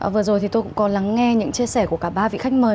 vừa rồi thì tôi cũng có lắng nghe những chia sẻ của cả ba vị khách mời